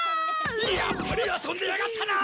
やっぱり遊んでやがったな！